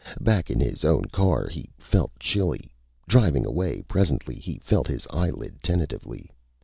Back in his own car he felt chilly. Driving away, presently, he felt his eyelid tentatively.